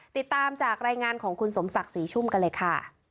ติดตามจากรายงานของคุณสมศักดิ์ศรีชุ่มกันเลยค่ะ